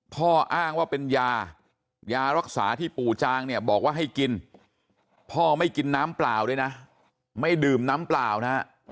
พ่ออ้างว่าเป็นยายารักษาที่ปู่จางเนี่ยบอกว่าให้กินพ่อไม่กินน้ำเปล่าด้วยนะไม่ดื่มน้ำเปล่านะฮะ